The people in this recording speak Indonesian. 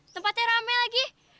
tempatnya rame lagi